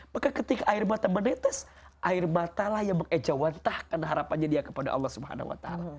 maka ketika air mata menetes air matalah yang mengejawantahkan harapannya dia kepada allah swt